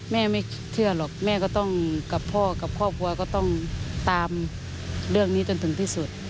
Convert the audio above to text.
ไม่เชื่อหรอกแม่ก็ต้องกับพ่อกับครอบครัวก็ต้องตามเรื่องนี้จนถึงที่สุด